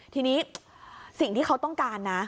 ทีนี้สิ่งที่เขาต้องการนะ